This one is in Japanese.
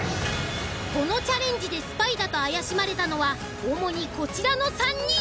このチャレンジでスパイだと怪しまれたのは主にこちらの３人。